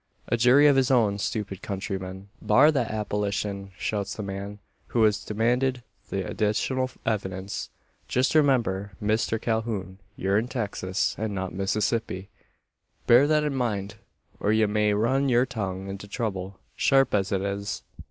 A jury of his own stupid countrymen " "Bar that appellashun!" shouts the man, who has demanded the additional evidence. "Just remember, Misther Calhoun, ye're in Texas, and not Mississippi. Bear that in mind; or ye may run your tongue into trouble, sharp as it is."